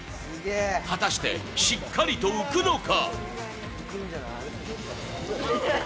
果たして、しっかりと浮くのか？